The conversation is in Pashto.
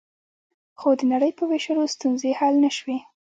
خو د نړۍ په وېشلو ستونزې حل نه شوې